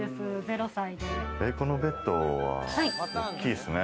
このベッドは大きいですね。